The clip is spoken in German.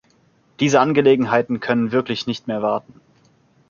Diese Angelegenheiten können wirklich nicht mehr warten.